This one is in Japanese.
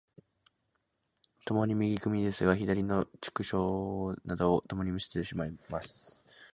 共に右組ですが、左の袖釣などをともに見せています。